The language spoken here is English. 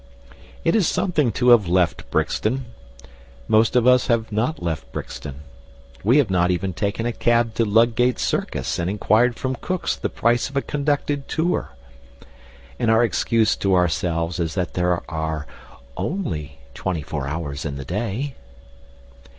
It is something to have left Brixton. Most of us have not left Brixton. We have not even taken a cab to Ludgate Circus and inquired from Cook's the price of a conducted tour. And our excuse to ourselves is that there are only twenty four hours in the day.